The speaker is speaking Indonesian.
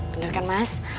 bener kan mas